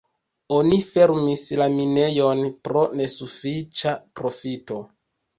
Oni fermis la minejon pro nesufiĉa profito.